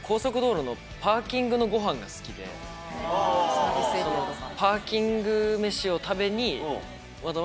サービスエリアとか。